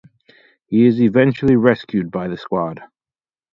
He is eventually rescued by the Squad.